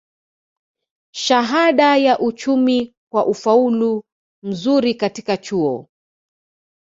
shahada ya uchumi kwa ufaulu mzuri katika chuo